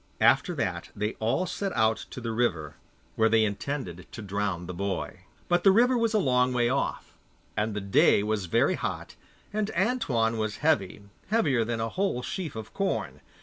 After that they all set out to the river, where they intended to drown the boy. But the river was a long way off, and the day was very hot, and Antoine was heavy, heavier than a whole sheaf of corn.